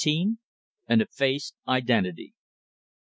AN EFFACED IDENTITY.